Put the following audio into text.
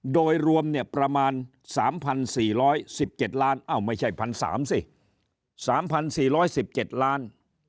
โดยรวมเนี่ยประมาณ๓๔๑๗ล้านอ้าวไม่ใช่๑๓๐๐สิ๓๔๑๗ล้าน